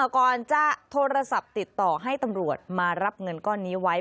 ก่อนจะโทรศัพท์ติดต่อให้ตำรวจมารับเงินก้อนนี้ไว้